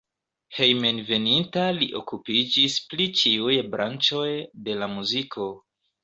Hejmenveninta li okupiĝis pri ĉiuj branĉoj de la muziko.